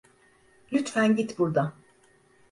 Lütfen git buradan.